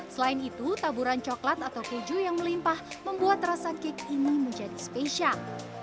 selain itu taburan coklat atau keju yang melimpah membuat rasa cake ini menjadi spesial